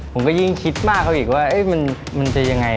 ผมก็ยิ่งคิดมากเขาอีกว่ามันจะยังไง